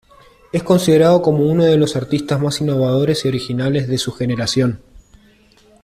Es considerado como uno de los artistas más innovadores y originales de su generación.